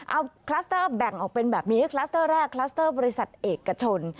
เอาคลัสเตอร์แบ่งออกเป็นแบบนี้คลัสเตอร์แรกคลัสเตอร์บริษัทเอกชน